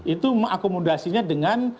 itu mengakomodasinya dengan